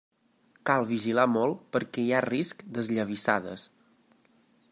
Cal vigilar molt perquè hi ha risc d'esllavissades.